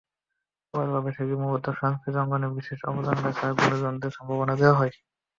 পয়লা বৈশাখে মূলত সংস্কৃতি অঙ্গনে বিশেষ অবদান রাখা গুণীজনদের সংবর্ধনা দেওয়া হয়।